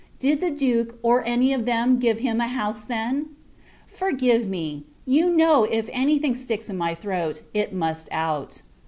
Did the Duke, or any of them, give him a house then? Forgive me! you know if any thing sticks in my throat, it must out.